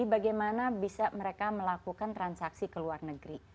bagaimana bisa mereka melakukan transaksi ke luar negeri